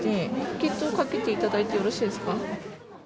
検討をかけていただいてよろしいですか。